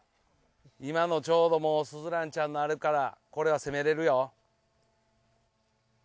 今のちょうどもう鈴蘭ちゃんのあるからこれは攻められるよ。